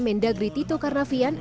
mendagri tito karnavian